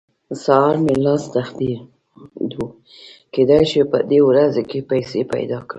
سهار مې لاس تخېدو؛ کېدای شي په دې ورځو کې پيسې پیدا کړم.